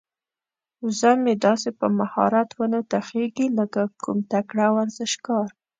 وزه مې داسې په مهارت ونو ته خيږي لکه کوم تکړه ورزشکار.